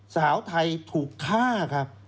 สาวไทยถูกฆ่าครับ